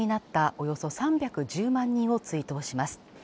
およそ３１０万人を追悼します